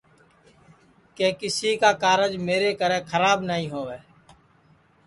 کہ کیسی کا کارج میری کرے کھراب نائی ہؤے